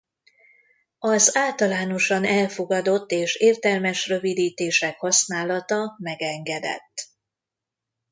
Az általánosan elfogadott és értelmes rövidítések használata megengedett.